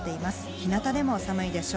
ひなたでも寒いでしょう。